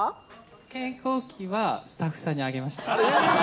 健康器はスタッフさんにあげました。